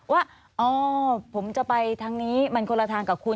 ว่าอ๋อผมจะไปทางนี้มันคนละทางกับคุณ